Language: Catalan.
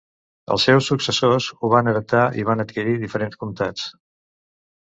Els seus successors ho van heretar i van adquirir diferents comtats.